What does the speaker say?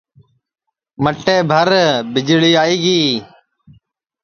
مٹئے بھر ٻِجݪی آئی گی